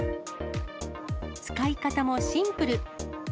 使い方もシンプル。